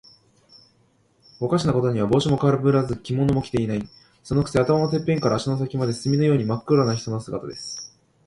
おかしなことには、帽子もかぶらず、着物も着ていない。そのくせ、頭のてっぺんから足の先まで、墨のようにまっ黒な人の姿です。